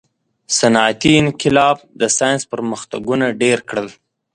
• صنعتي انقلاب د ساینس پرمختګونه ډېر کړل.